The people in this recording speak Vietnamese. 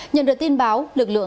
nhận được tin báo